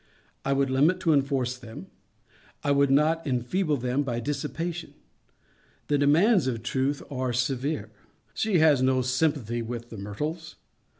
I would limit to enforce them. I would not enfeeble them by dissipation. The demands of Truth are severe. She has no sympathy with the myrtles.